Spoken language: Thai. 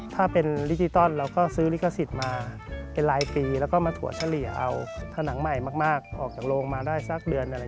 ถ้าเป็นดิจิตอลเราก็ซื้อลิขสิทธิ์มาเป็นรายปีแล้วก็มาถั่วเฉลี่ยเอาผนังใหม่มากออกจากโรงมาได้สักเดือนอะไร